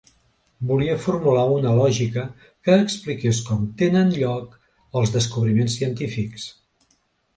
Volia formular una lògica que expliqués com tenen lloc els descobriments científics.